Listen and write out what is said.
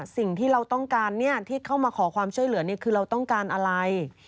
สิ่งที่เราต้องการที่เข้ามาขอความช่วยเหลือคือเราต้องการอะไร